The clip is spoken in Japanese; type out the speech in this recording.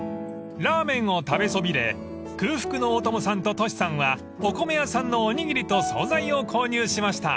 ［ラーメンを食べそびれ空腹の大友さんとトシさんはお米屋さんのおにぎりと総菜を購入しました］